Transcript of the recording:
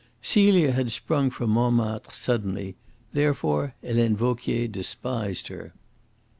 Celia had sprung from Montmartre suddenly; therefore Helene Vauquier despised her.